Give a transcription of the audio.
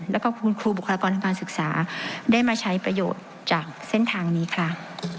แล้วก็คุณครูบุคลากรทางการศึกษาได้มาใช้ประโยชน์จากเส้นทางนี้ค่ะ